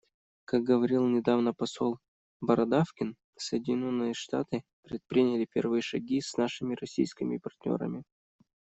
Как говорил недавно посол Бородавкин, Соединенные Штаты предприняли первые шаги с нашими российскими партнерами.